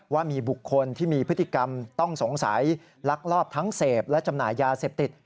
ว่ามีบุคคลที่มีพฤติกรรมต้องสงสัยลักลอบทั้งเสพและจำหน่ายยาเสพติด